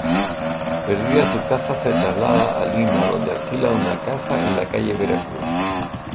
Perdida su casa, se traslada a Lima donde alquila una en la calle Veracruz.